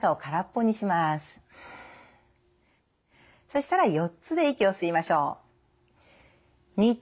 そしたら４つで息を吸いましょう。